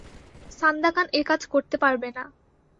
Sandakan এ কাজ করতে পারবে না।